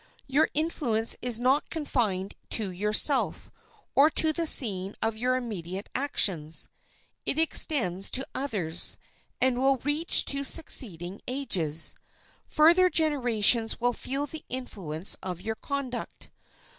Your influence is not confined to yourself or to the scene of your immediate actions; it extends to others, and will reach to succeeding ages. Future generations will feel the influence of your conduct.